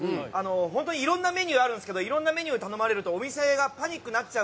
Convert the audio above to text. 本当にいろんなメニューあるんですけどいろんなメニュー頼まれるとお店がパニックになっちゃうんで。